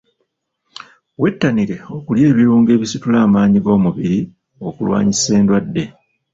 Wettanire okulya ebirungo ebisitula amaanyi g'omubiri okulwanyisa endwadde.